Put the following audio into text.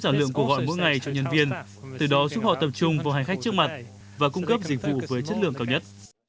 mỗi ngày cho nhân viên từ đó giúp họ tập trung vào hành khách trước mặt và cung cấp dịch vụ với chất lượng cao nhất